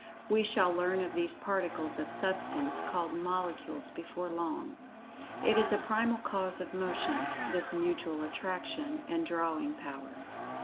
(We shall learn of these particles of Substance called Molecules before long.) It is a primal cause of Motion, this mutual Attraction, and drawing power.